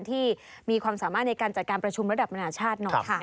ที่มีความสามารถในการจัดการประชุมระดับมนาชาติหน่อยค่ะ